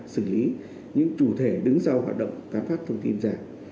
xử lý những chủ thể đứng sau hoạt động tác pháp thông tin giả